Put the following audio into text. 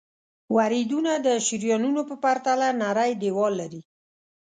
وریدونه د شریانونو په پرتله نری دیوال لري.